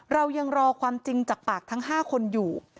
เรายังรอความจริงจากปากทั้ง๕คนอยู่